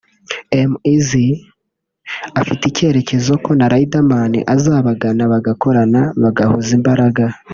M izzle afite icyizere ko na Riderman azabagana bagakorana bagahuza imbaraga